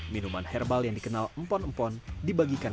dua ribu dua puluh satu minuman herbal yang dikenal empon empon dibagikan